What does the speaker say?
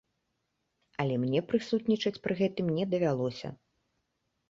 Але мне прысутнічаць пры гэтым не давялося.